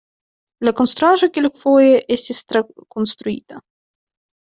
La konstruaĵo kelkfoje estis trakonstruita.